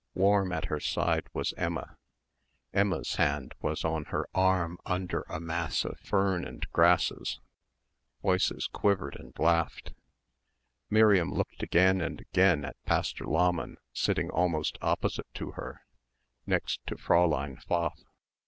Warm at her side was Emma. Emma's hand was on her arm under a mass of fern and grasses. Voices quivered and laughed. Miriam looked again and again at Pastor Lahmann sitting almost opposite to her, next to Fräulein Pfaff.